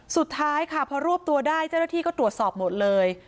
สุดท้ายค่ะพอรวบตัวได้เจ้าหน้าที่ก็ตรวจสอบหมดเลย